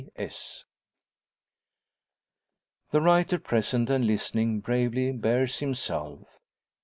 G.S." The writer, present and listening, bravely bears himself.